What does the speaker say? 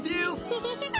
ウフフフ！